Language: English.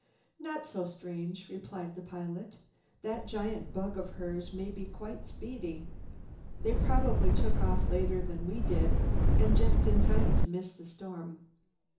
"Not so strange," replied the pilot. "That giant bug of hers may be quite speedy. They probably took off later than we did and just in time to miss the storm.